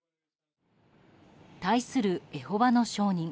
対する、エホバの証人